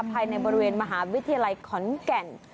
ภายในบริเวณมหาวิทยาลัยขอนแก่น